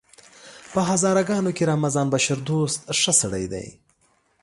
په هزاره ګانو کې رمضان بشردوست ښه سړی دی!